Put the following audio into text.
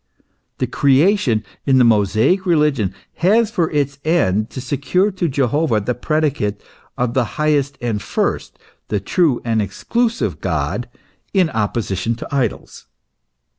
The creation in the Mosaic religion has for its end to secure to Jehovah the predicate of the highest and first, the true and exclusive God in opposition to idols.